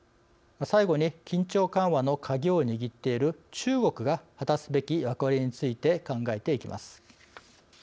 最後に緊張緩和の鍵を握っている中国が果たすべき役割について考えていきます。